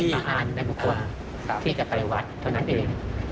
ไม่มีอาหารในบุคคลที่จะปริวัติเท่านั้นเอง